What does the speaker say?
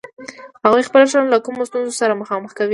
هغوی خپله ټولنه له کومو ستونزو سره مخامخ کوي.